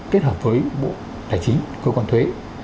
kết hợp với bộ tài chính cơ quan thuế